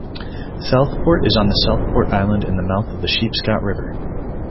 Southport is on Southport Island in the mouth of the Sheepscot River.